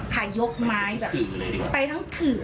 ขายกไม้ไปทั้งขื่อ